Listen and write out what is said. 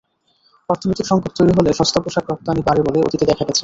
অর্থনৈতিক সংকট তৈরি হলে সস্তা পোশাক রপ্তানি বাড়ে বলে অতীতে দেখা গেছে।